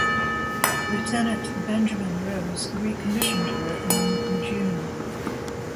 Lieutenant Benjamin Rose recommissioned her in June.